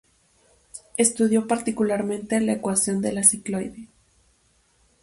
Estudió particularmente la ecuación de la cicloide.